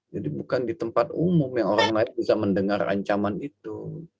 jadi bukan di tempat umum yang orang lain bisa mendengar ancaman itu